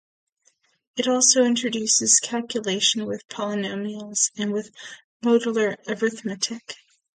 It also introduces calculation with polynomials and with modular arithmetic.